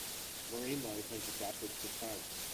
Marine life has adapted to tides.